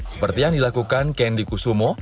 seperti yang dilakukan kendi kusumo